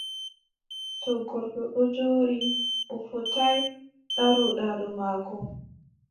To goɗɗo ɗon jooɗi, a fotaay ndarooɗaa dow maako,